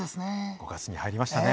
５月に入りましたね。